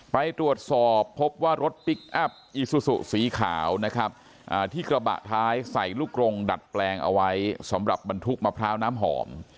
ไปตรวจสอบพบว่ารถพลิกอัพอีซูซูสีขาวนะครับที่กระบะท้ายใส่ลูกกรงดัดแปลงเอาไว้สำหรับบรรทุกมะพร้าวน้ำหอม